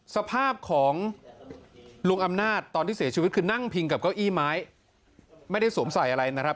สภาพของลุงอำนาจตอนที่เสียชีวิตคือนั่งพิงกับเก้าอี้ไม้ไม่ได้สวมใส่อะไรนะครับ